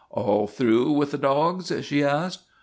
" All through with the dogs ?' she asked.